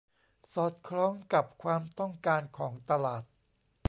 สอดคล้องกับความต้องการของตลาด